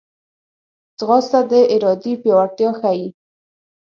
ځغاسته د ارادې پیاوړتیا ښيي